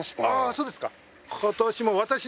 そうですか。